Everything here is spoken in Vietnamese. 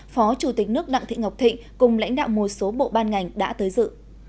phó chủ tịch nước đặng thị ngọc thịnh cùng lãnh đạo một số bộ ban ngành đã tới dự